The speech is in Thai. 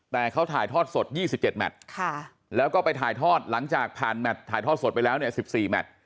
แต่เขาถ่ายทอดสด๒๗แมทแล้วก็ไปถ่ายทอดหลังจากผ่านแมทถ่ายทอดสดไปแล้วเนี่ย๑๔แมท